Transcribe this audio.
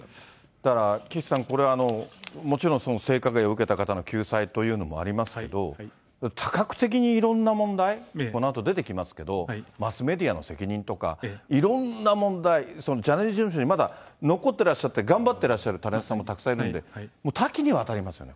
だから、岸さん、これはもちろん性加害を受けた方の救済というのもありますけど、多角的にいろんな問題、このあと出てきますけど、マスメディアの責任とか、いろんな問題、ジャニーズ事務所にまだ残ってらっしゃって頑張ってらっしゃるタレントさんもたくさんいるんで、多岐にわたりますよね。